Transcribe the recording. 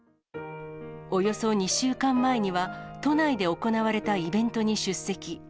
およそ２週間前には、都内で行われたイベントに出席。